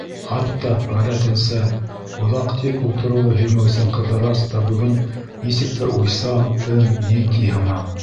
Хатта, ғәҙәтенсә, оҙаҡ тик ултырыуҙы һөймәүсән Ҡыҙырас та бөгөн нисектер уйсан, тын, етди һымаҡ.